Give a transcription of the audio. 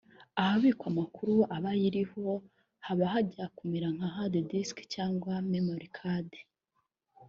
ahabikwa amakuru aba ayiriho haba hajya kumera nka’ hard disk’ cyangwa ‘memory card’